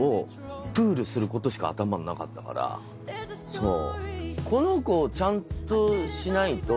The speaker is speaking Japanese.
そう。